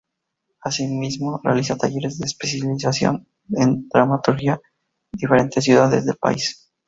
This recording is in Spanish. Asimismo realiza Talleres de especialización en dramaturgia diferentes ciudades del país.